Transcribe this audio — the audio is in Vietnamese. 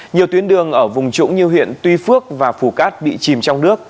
nhiều tuyến đường ở vùng chủ như huyện tuy phước và phủ cát bị chìm trong nước